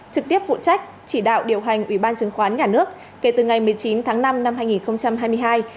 trực tiếp phụ trách chỉ đạo điều hành ubnd kể từ ngày một mươi chín tháng năm năm hai nghìn hai mươi hai